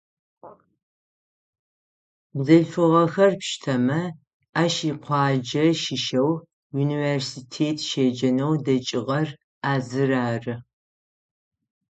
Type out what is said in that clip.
Бзылъфыгъэхэр пштэмэ, ащ икъуаджэ щыщэу, университет щеджэнэу дэкӏыгъэр а зыр ары.